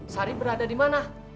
sari berada dimana